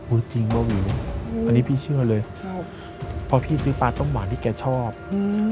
จริงเบาะวิวอันนี้พี่เชื่อเลยเพราะพี่ซื้อปลาต้มหวานที่แกชอบอืม